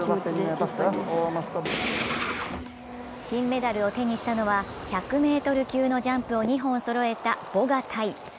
金メダルを手にしたのは１００ｍ級のジャンプを２本そろえたボガタイ。